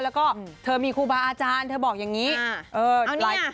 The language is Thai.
แล้วก็เธอมีครูบาอาจารย์เธอบอกอย่างนี้เออเอาเนี่ย